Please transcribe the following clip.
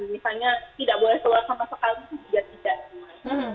misalnya tidak boleh keluar sama sekalipun tidak tidak